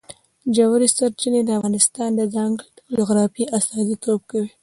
ژورې سرچینې د افغانستان د ځانګړي ډول جغرافیه استازیتوب کوي.